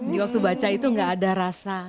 di waktu baca itu gak ada rasa